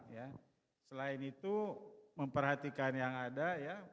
ya selain itu memperhatikan yang ada ya